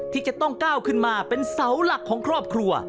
ที่จะต้องก้าวขึ้นมาเป็นเสาหลักของครอบครัว